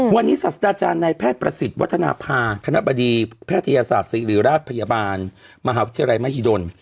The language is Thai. วันนี้ศาสตราจารย์ในแพทย์ประสิทธิ์วัฒนภาคณะบดีแพทยศาสตร์ศิริราชพยาบาลมหาวิทยาลัยมหิดล